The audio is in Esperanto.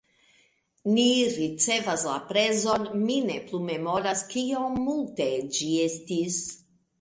Ni ricevas la prezon, mi ne plu memoras kiom multe ĝi estis